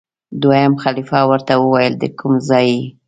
دویم خلیفه ورته وویل دکوم ځای یې؟